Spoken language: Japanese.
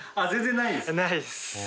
ないです。